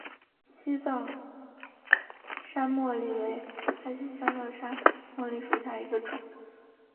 西藏山茉莉为安息香科山茉莉属下的一个种。